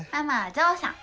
ゾウさん。